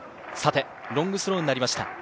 ロングスローになりました。